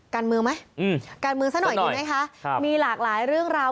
กันมือไหมอืมกันมือสักหน่อยดูนะค่ะครับมีหลากหลายเรื่องราว